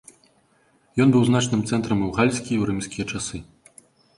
Ён быў значным цэнтрам і ў гальскія, і ў рымскія часы.